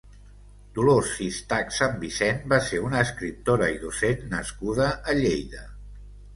Dolors Sistac Sanvicén va ser una escriptora i docent nascuda a Lleida.